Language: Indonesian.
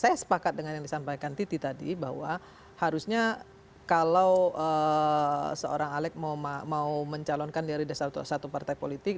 saya sepakat dengan yang disampaikan titi tadi bahwa harusnya kalau seorang alec mau mencalonkan dari satu partai politik